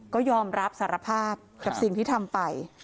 ก็ยอมรับสารภาพกับสิ่งที่ทำไป